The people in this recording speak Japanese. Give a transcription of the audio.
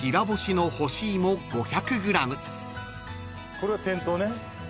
これは店頭ね。